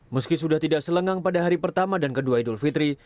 meski sudah tidak selengang pada hari pertama dan kedua idul fitri